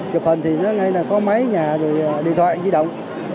chụp hình thì ngay là có máy nhà điện thoại di động